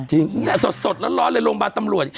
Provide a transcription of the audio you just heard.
จริงสดแล้วร้อนเลยโรงพยาบาลตำรวจ